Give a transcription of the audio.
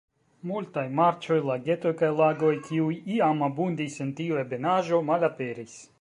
Multaj marĉoj, lagetoj kaj lagoj, kiuj iam abundis en tiu ebenaĵo, malaperis.